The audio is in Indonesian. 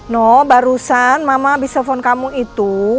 noh barusan mama abis telepon kamu itu